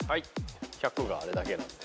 １００があれだけなんで。